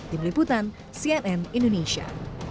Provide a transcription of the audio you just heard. tim liputan cnn indonesia